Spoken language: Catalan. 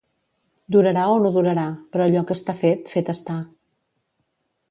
Durarà o no durarà, però allò que està fet, fet està.